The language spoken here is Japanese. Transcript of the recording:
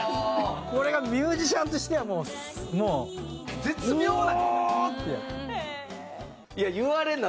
これがミュージシャンとしてはもうウオー！って。